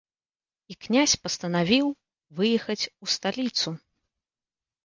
І князь пастанавіў выехаць у сталіцу.